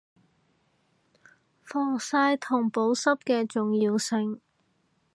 防曬同保濕嘅重要性